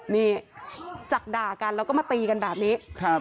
นี่จากด่ากันแล้วก็มาตีกันแบบนี้